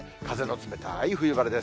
冷たい冬晴れです。